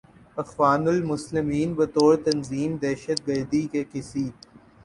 اخوان المسلمین بطور تنظیم دہشت گردی کے کسی